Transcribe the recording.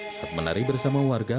saat menari bersama warga